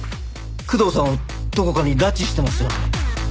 工藤さんをどこかに拉致してますよね。